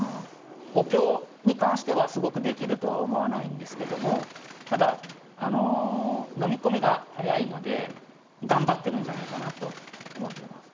お経に関してはすごくできるとは思わないんですけどもただのみ込みが早いので頑張っているんじゃないかなと思っています。